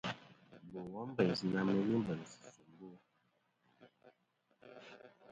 Bò wom bèynsɨ na mɨ n-ghɨ bèŋsɨ̀ nsòmbo.